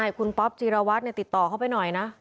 ใช่คุณป๊อปจิรวจิรวรรดิติดต่อเขาไปหน่อยนะ